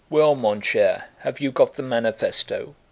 "Well, mon cher, have you got the manifesto?"